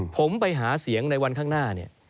ผมไปหาเสียงในวันข้างหน้าเนี่ย